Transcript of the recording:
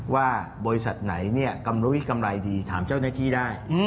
ว่าบริษัทไหนกำลังวิทย์กำไรดีถามเจ้าหน้าที่ได้